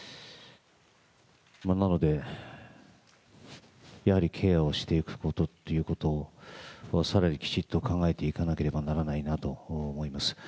なので、やはりケアをしていくことっていうことは、さらにきちっと考えていかなきゃならないなと思います。